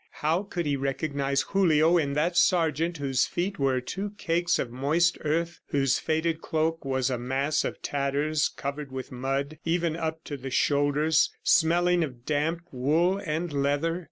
How could he recognize Julio in that sergeant whose feet were two cakes of moist earth, whose faded cloak was a mass of tatters covered with mud, even up to the shoulders, smelling of damp wool and leather?